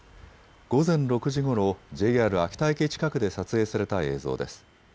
午前６時ごろ、ＪＲ秋田駅近くで撮影された映像です。